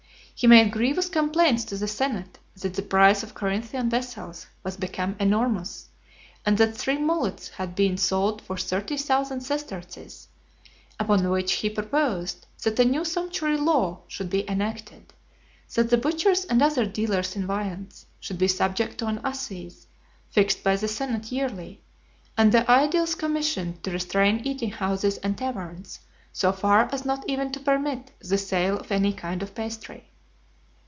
He made grievous complaints to the senate, that the price of Corinthian vessels was become enormous, and that three mullets had been sold for thirty thousand sesterces: upon which he proposed that a new sumptuary law should be enacted; that the butchers and other dealers in viands should be subject to an assize, fixed by the senate yearly; and the aediles commissioned to restrain eating houses and taverns, so far as not even to permit the sale of any kind of pastry.